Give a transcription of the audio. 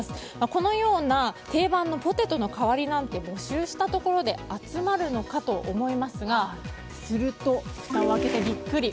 このような定番のポテトの代わりを募集したところで集まるのかと思いますがすると、ふたを開けてビックリ。